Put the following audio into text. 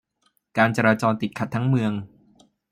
การจราจรติดขัดทั้งเมือง